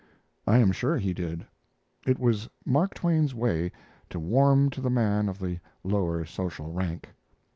I am sure he did. It was Mark Twain's way to warm to the man of the lower social rank.